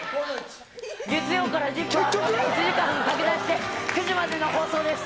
月曜からＺＩＰ！は１時間拡大して、９時までの放送です。